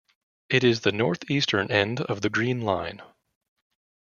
It is the northeastern end of the Green Line.